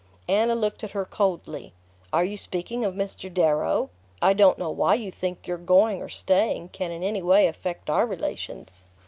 Anna looked at her coldly. "Are you speaking of Mr. Darrow? I don't know why you think your going or staying can in any way affect our relations."